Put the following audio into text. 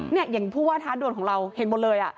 อย่างผู้ว่าท้าด่วนของเราเห็นหมดเลย